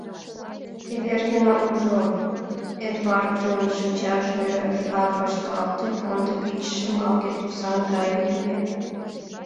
Эвердина ужо: Эдвардын шинчаже вигак вашталте, канде гыч шемалге тӱсан гай лие.